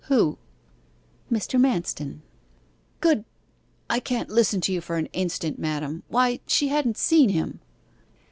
'Who?' 'Mr. Manston.' 'Good ! I can't listen to you for an instant, madam; why, she hadn't seen him!